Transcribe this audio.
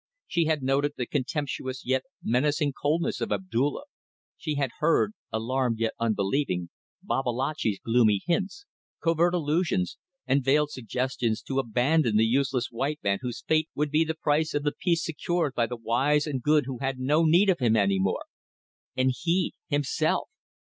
She had noted the contemptuous yet menacing coldness of Abdulla; she had heard alarmed yet unbelieving Babalatchi's gloomy hints, covert allusions and veiled suggestions to abandon the useless white man whose fate would be the price of the peace secured by the wise and good who had no need of him any more. And he himself!